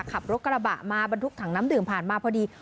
ขับรถกระบะมาบรรทุกถังน้ำดื่มผ่านมาพอดี